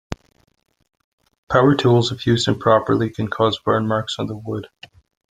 Power tools, if used improperly, can cause burn marks on the wood.